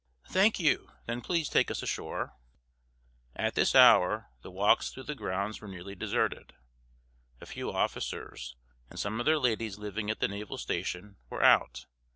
"Thank you. Then please take us ashore." At this hour the walks through the grounds were nearly deserted. A few officers, and some of their ladies living at the naval station, were out.